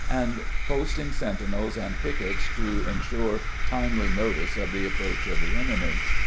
and posting sentinels and piquets to insure timely notice of the approach of the enemy.